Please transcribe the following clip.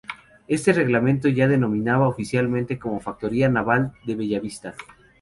Este reglamento ya la denominaba oficialmente como Factoría Naval de Bellavista.